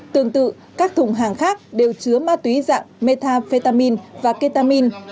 tương tự các thùng hàng khác đều chứa ma túy dạng metafetamin và ketamin